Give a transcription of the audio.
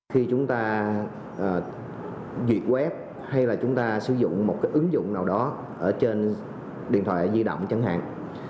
khi chúng ta duyệt web hay là chúng ta sử dụng một cái ứng dụng nào đó ở trên điện thoại di động chẳng hạn